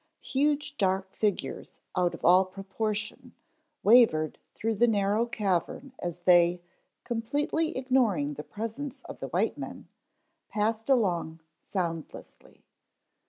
Huge dark figures out of all proportion, wavered through the narrow cavern as they, completely ignoring the presence of the white men, passed along soundlessly.